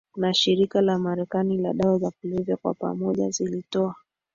na Shirika la Marekani la Dawa za kulevya kwa pamoja zilitoa